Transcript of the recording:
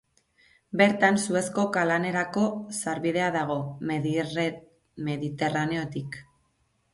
Bertan, Suezko kanalerako sarbidea dago, Mediterraneotik.